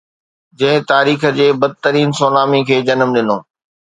جنهن تاريخ جي بدترين سونامي کي جنم ڏنو.